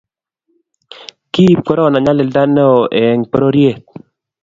Kiib corona nyalinda neo eng pororiet